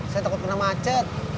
saya takut kena macet